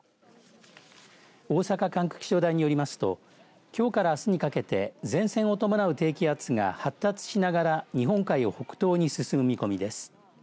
大阪管区気象台によりますときょうからあすにかけて前線を伴う低気圧が発達しながら日本海を北東に進む見込みです。